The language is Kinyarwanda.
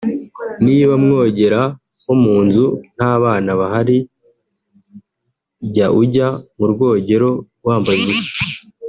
niba mwogera nko mu nzu nta bana bahari jya ujya mu rwogero wambaye ubusa